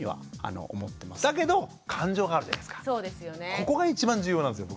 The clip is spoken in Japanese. ここが一番重要なんですよ。